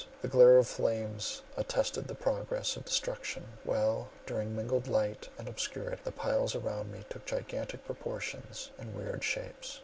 The glare of flames attested the progress of destruction, while, during mingled light and obscurity, the piles around me took gigantic proportions and weird shapes.